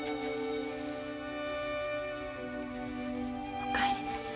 お帰りなさい。